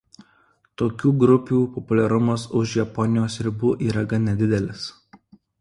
Tokių grupių populiarumas už Japonijos ribų yra gan nedidelis.